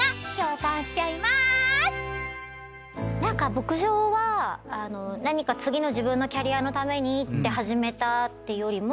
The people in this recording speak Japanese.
牧場は何か次の自分のキャリアのためにって始めたってよりも。